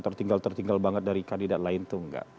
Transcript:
tertinggal tertinggal banget dari kandidat lain itu